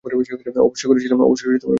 অবশ্যই করেছিলাম সত্যি?